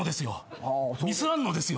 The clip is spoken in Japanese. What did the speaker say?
ミスらんのですよ。